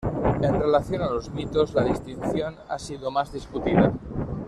En relación a los "mitos" la distinción ha sido más discutida.